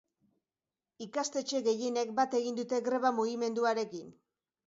Ikastetxe gehienek bat egin dute greba mugimenduarekin.